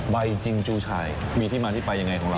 จริงจูชัยมีที่มาที่ไปยังไงของเรา